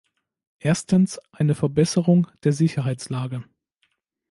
Erstens eine Verbesserung der Sicherheitslage.